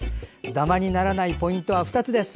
ダマにならないポイントは２つです。